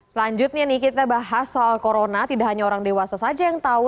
selanjutnya nih kita bahas soal corona tidak hanya orang dewasa saja yang tahu